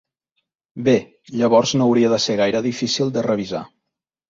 Bé, llavors no hauria de ser gaire difícil de revisar.